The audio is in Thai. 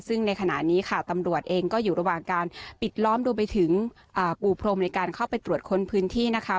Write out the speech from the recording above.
ซึ่งในขณะนี้ค่ะตำรวจเองก็อยู่ระหว่างการปิดล้อมรวมไปถึงปูพรมในการเข้าไปตรวจค้นพื้นที่นะคะ